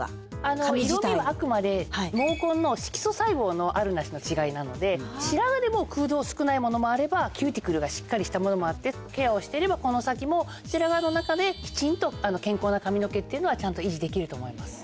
のあるなしの違いなので白髪でも空洞少ないものもあればキューティクルがしっかりしたものもあってケアをしていればこの先も白髪の中できちんと健康な髪の毛っていうのはちゃんと維持できると思います。